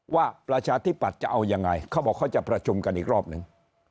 ประชาธิปัตย์จะเอายังไงเขาบอกเขาจะประชุมกันอีกรอบนึง